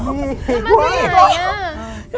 มีอีกแล้วมีอีกแล้ว